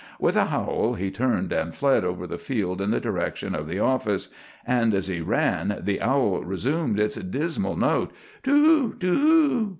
With a howl he turned and fled over the field in the direction of the office, and as he ran the owl resumed its dismal note "Too hoo, too hoot."